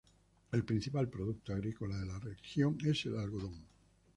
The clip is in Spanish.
El principal producto agrícola de la región es el algodón.